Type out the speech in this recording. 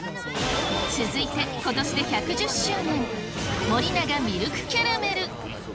続いて、ことしで１１０周年、森永ミルクキャラメル。